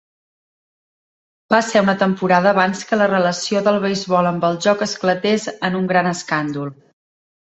Va ser una temporada abans que la relació del beisbol amb el joc esclatés en un gran escàndol.